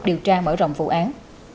điều tra mở rộng vụ án